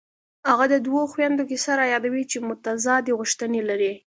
هغه د دوو خویندو کیسه رایادوي چې متضادې غوښتنې لري